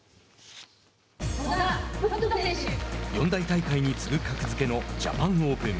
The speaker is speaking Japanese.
四大大会に継ぐ格付けのジャパンオープン。